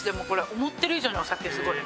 思ってる以上にお酒すごい。